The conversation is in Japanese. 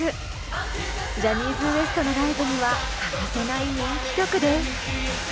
ジャニーズＷＥＳＴのライブには欠かせない人気曲です。